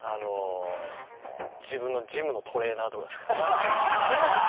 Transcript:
自分のジムのトレーナーとか。